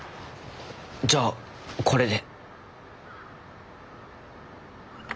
じゃあこれで。